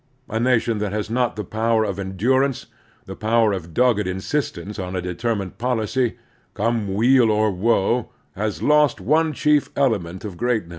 A nation that has not the power of endurance, the power of dogged insistence on a determined policy, come weal or woe, has lost one chief element of greatness.